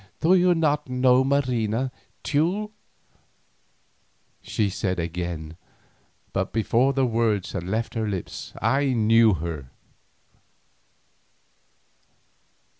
"Do you not know Marina, Teule?" she said again, but before the words had left her lips I knew her.